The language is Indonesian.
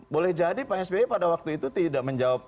boleh jadi pak sby pada waktu itu tidak menjawab